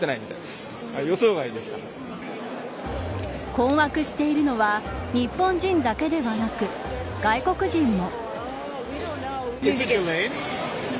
困惑しているのは日本人だけではなく外国人も。